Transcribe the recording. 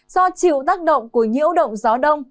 do chịu tác động của nhiễu động gió đông